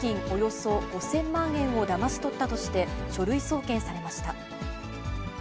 およそ５０００万円をだまし取ったとして書類送検されました。